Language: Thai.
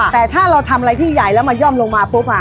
แต่ถ้าเราทำอะไรที่ใหญ่แล้วมาย่อมลงมาปุ๊บ